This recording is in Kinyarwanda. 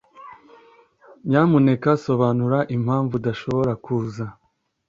Nyamuneka sobanura impamvu udashobora kuza.